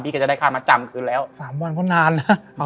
พี่จะได้ค่ามัจจำคือแล้ว๓วันก็นานนะ